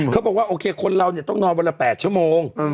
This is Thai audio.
เขาบอกว่าโอเคคนเราต้องนอนวันละ๘ชั่วโมง